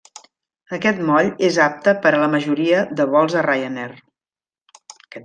Aquest moll és apte per a la majoria de vols de Ryanair.